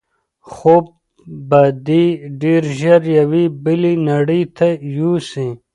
خوب به دی ډېر ژر یوې بلې نړۍ ته یوسي.